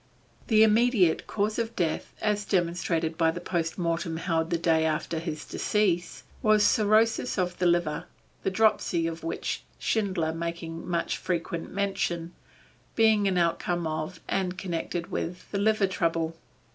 The immediate cause of death, as demonstrated by the post mortem held the day after his decease, was cirrhosis of the liver, the dropsy, of which Schindler makes such frequent mention, being an outcome of, and connected with, the liver trouble.